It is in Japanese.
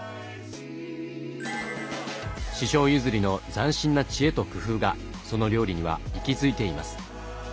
師匠譲りの斬新な知恵と工夫がその料理には息づいています。